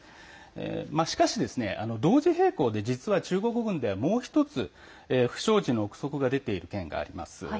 しかし同時並行で実は中国軍ではもう一つ、不祥事の憶測が出ている件があります。